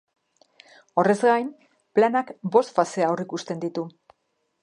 Horrez gain, planak bost fase aurrikusten ditu.